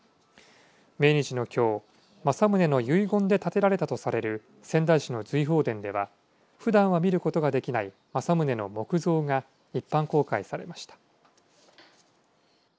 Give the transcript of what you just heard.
命日のきょう政宗の遺言で建てられたとされる仙台市の瑞鳳殿ではふだんは見ることができない政宗の木像が一般公開されました。